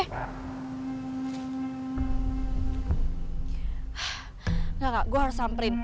enggak enggak gue harus samperin